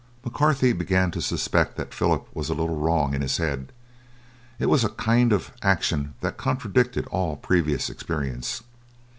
McCarthy began to suspect that Philip was a little wrong in his head; it was a kind of action that contradicted all previous experience.